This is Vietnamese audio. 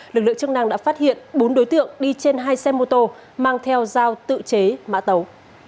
lực lượng chức năng đã phát hiện bốn đối tượng đi trên hai xe mô tô mang theo dao tự chế mã tấu